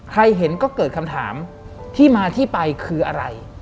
เห็นก็เกิดคำถามที่มาที่ไปคืออะไร